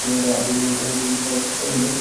আধিনি সাক্ষ্য দিবে।